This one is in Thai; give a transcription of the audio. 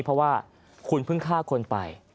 เพราะว่าคุณเพิ่งฆ่าคนไป